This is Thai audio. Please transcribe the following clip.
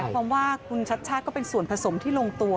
หมายความว่าคุณชัดก็เป็นส่วนผสมที่ลงตัว